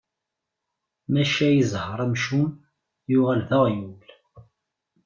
Maca i ẓẓher amcum, yuɣal d aɣyul.